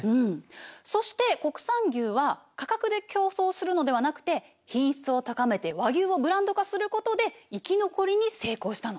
そして国産牛は価格で競争するのではなくて品質を高めて和牛をブランド化することで生き残りに成功したの。